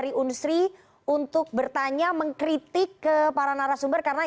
ladies first atau bagaimana